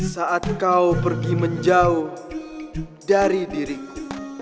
saat kau pergi menjauh dari diriku